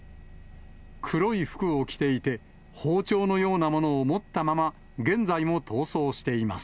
黒い服を着ていて、包丁のようなものを持ったまま、現在も逃走しています。